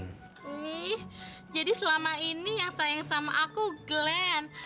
hmmy jadi selama ini yang sayang sama aku glenn